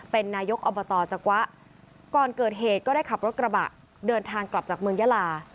เป็นนายกอบตจักวะก่อนเกิดเหตุก็ได้ขับรถกระบะเดินทางกลับจากเมืองยาลา